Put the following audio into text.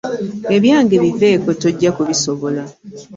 Ebyange biveeko tojja kubisobola.